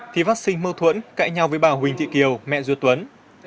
thì vắc xin mâu thuẫn cãi nhau với bà huỳnh thị kiều mẹ duất tuấn